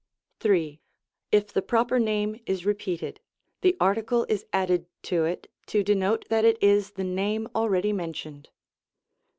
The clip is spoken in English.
3. If the proper name is repeated, the article is added to it, to denote that it is the name already men tioned.